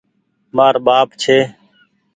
مآر ٻآپ ڇي۔